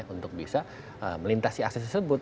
untuk bisa melintasi akses tersebut